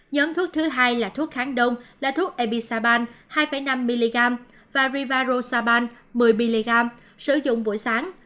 nhóm thuốc thứ hai là thuốc kháng đông là thuốc ebisaban hai năm mg và rivarosaban một mươi mg sử dụng buổi sáng